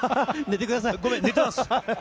ごめん、寝てます。